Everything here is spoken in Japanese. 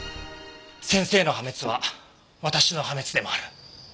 先生の破滅は私の破滅でもある。